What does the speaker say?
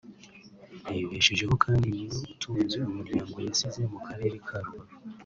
yibeshejeho kandi ni we utunze umuryango yasize mu Karere ka Rubavu